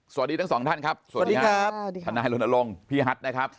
สวัสดีทั้งสองท่านครับสวัสดีครับทนายรณรงค์พี่ฮัทนะครับ